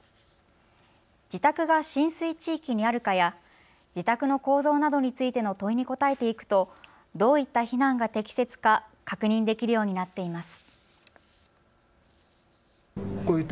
自宅が浸水地域にあるかや自宅の構造などについての問いに答えていくと、どういった避難が適切か確認できるようになっています。